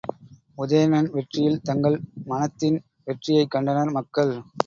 உதயணன் வெற்றியில் தங்கள் மனத்தின் வெற்றியைக் கண்டனர் மக்கள்.